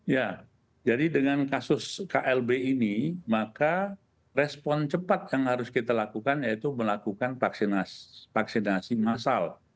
ya jadi dengan kasus klb ini maka respon cepat yang harus kita lakukan yaitu melakukan vaksinasi massal